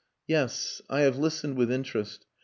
"Yes. I have listened with interest.